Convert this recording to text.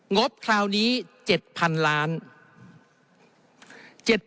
งบคราวนี้๗๐๐๐ล้านกิจ